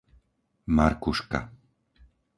Markuška